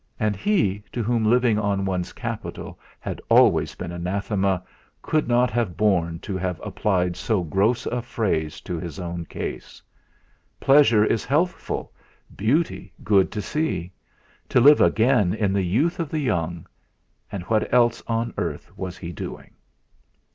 And he, to whom living on one's capital had always been anathema, could not have borne to have applied so gross a phrase to his own case. Pleasure is healthful; beauty good to see; to live again in the youth of the young and what else on earth was he doing!